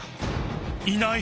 いない！